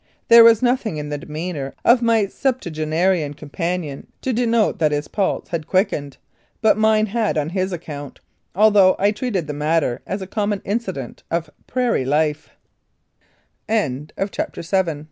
There was nothing in the demeanour of my septua genarian companion to denote that his pulse had quickened, but mine had on his account, although I treated the matter as a common incident of p